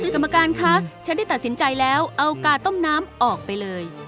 กรรมการคะฉันได้ตัดสินใจแล้วเอากาต้มน้ำออกไปเลย